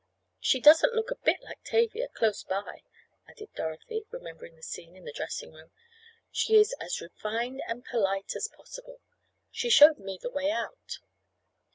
"She doesn't look a bit like Tavia—close by," added Dorothy, remembering the scene in the dressing room. "She is as refined and polite as possible. She showed me the way out."